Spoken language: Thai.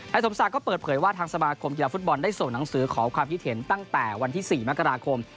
สมศักดิ์ก็เปิดเผยว่าทางสมาคมกีฬาฟุตบอลได้ส่งหนังสือขอความคิดเห็นตั้งแต่วันที่๔มกราคม